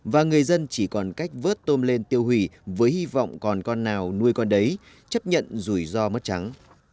và người dân chỉ còn cách vớt tôm lên tiêu hủy với hy vọng còn con nào nuôi con đấy chấp nhận rủi ro mất trắng